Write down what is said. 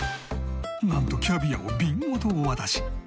なんとキャビアを瓶ごとお渡し